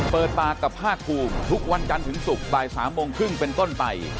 เปิดปากกับภาคภูมิทุกวันจันทร์ถึงศุกร์บ่าย๓โมงครึ่งเป็นต้นไป